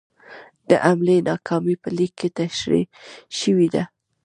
د حملې ناکامي په لیک کې تشرېح شوې ده.